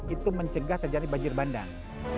itu mencegah terjadi banjir bandang